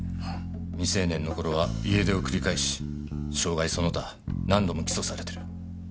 未成年の頃は家出を繰り返し傷害その他何度も起訴されている。